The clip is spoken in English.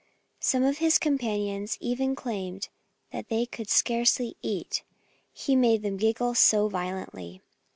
Some of his companions even claimed that they could scarcely eat, he made them giggle so violently.